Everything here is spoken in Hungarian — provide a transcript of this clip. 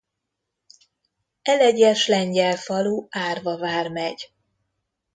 Elegyes Lengyel falu Árva Vármegy.